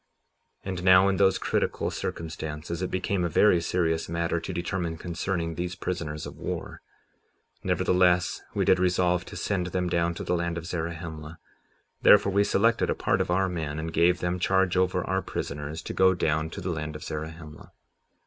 57:16 And now, in those critical circumstances, it became a very serious matter to determine concerning these prisoners of war; nevertheless, we did resolve to send them down to the land of Zarahemla; therefore we selected a part of our men, and gave them charge over our prisoners to go down to the land of Zarahemla.